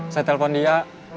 saya telpon dia